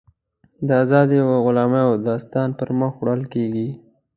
د ازادیو او غلامیو داستان پر مخ وړل کېږي.